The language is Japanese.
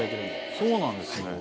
そうなんですね。